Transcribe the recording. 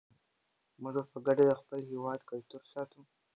موږ به په ګډه د خپل هېواد کلتور ساتو.